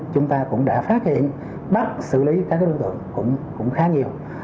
chúng ta cũng đã phát hiện bắt xử lý các đối tượng cũng khá nhiều